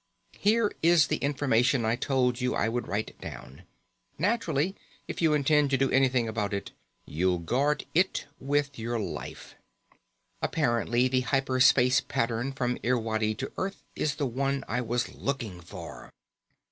Here is the information I told you I would write down. Naturally, if you intend to do anything about it, you'll guard it with your life._ _Apparently the hyper space pattern from Irwadi to Earth is the one I was looking for.